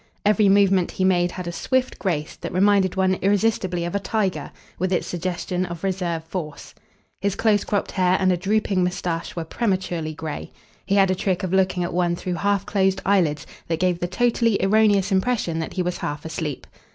Every movement he made had a swift grace that reminded one irresistibly of a tiger, with its suggestion of reserve force. His close cropped hair and a drooping moustache were prematurely grey. He had a trick of looking at one through half closed eyelids that gave the totally erroneous impression that he was half asleep.